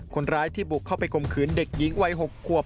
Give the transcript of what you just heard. คนร้ายที่บุกเข้าไปคมคืนเด็กหญิงวัย๖ขวบ